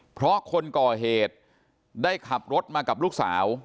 เพราะคนก่อเหตุได้ขับรถมากับลูกสาว